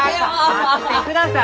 若待ってください！